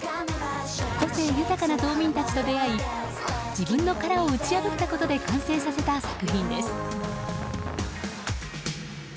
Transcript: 個性豊かな島民たちと出会い自分の殻を打ち破ったことで完成させた作品です。